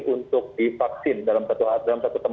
untuk divaksin dalam satu tempat dan satu hari